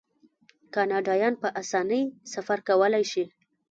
کاناډایان په اسانۍ سفر کولی شي.